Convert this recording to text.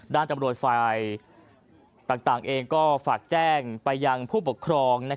ตำรวจฝ่ายต่างเองก็ฝากแจ้งไปยังผู้ปกครอง